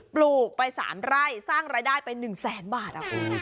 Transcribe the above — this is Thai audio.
ปลูกไป๓ไร่สร้างรายได้ไป๑๐๐๐๐๐บาท